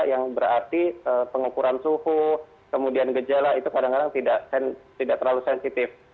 yang berarti pengukuran suhu kemudian gejala itu kadang kadang tidak terlalu sensitif